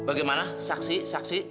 bagaimana saksi saksi